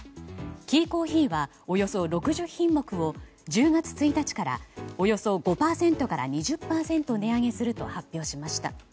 キーコーヒーはおよそ６０品目を１０月１日からおよそ５％から２０％値上げすると発表しました。